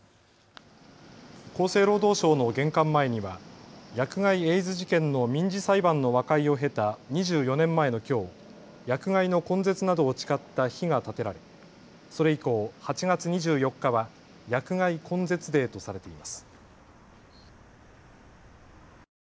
厚生労働省の玄関前には薬害エイズ事件の民事裁判の和解を経た２４年前のきょう、薬害の根絶などを誓った碑が建てられそれ以降、８月２４日は薬害根絶デーとされています。